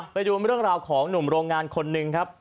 ไปดูเรื่องราวของหนุ่มโรงงานคนหนึ่งครับ